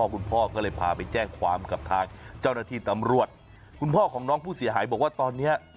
คุณพ่อก็เลยพาไปแจ้งความกับทางเจ้าหน้าที่ตำรวจคุณพ่อของน้องผู้เสียหายบอกว่าตอนเนี้ย